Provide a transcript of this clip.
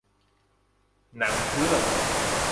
หนังเรื่อง